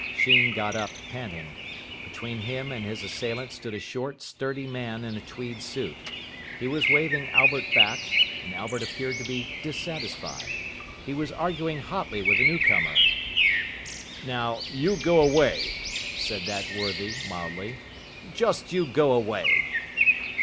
Sheen got up, panting. Between him and his assailant stood a short, sturdy man in a tweed suit. He was waving Albert back, and Albert appeared to be dissatisfied. He was arguing hotly with the newcomer. "Now, you go away," said that worthy, mildly, "just you go away."